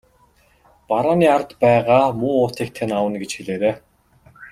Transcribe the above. Барааны ард байгаа муу уутыг тань авна гэж хэлээрэй.